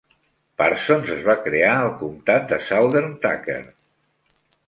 Parsons es va crear al comtat de Southern Tucker.